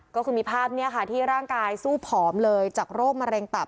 ก็คือมีภาพที่ร่างกายสู้ผอมเลยจากโรคมะเร็งตับ